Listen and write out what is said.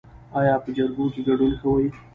ایا په جرګو کې ګډون کوئ؟